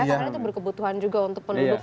karena itu berkebutuhan juga untuk penduduk